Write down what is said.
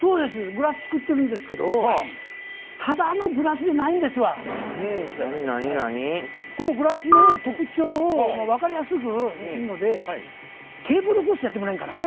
グラス作ってるんですけどこのグラスの特徴を分かりやすくするのでテーブルクロスやってもらえんかな？